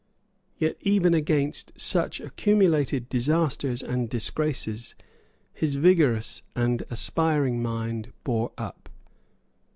Yet, even against such accumulated disasters and disgraces, his vigorous and aspiring mind bore up.